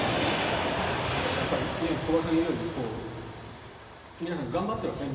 小林さんが言うように皆さん頑張っているわけですね。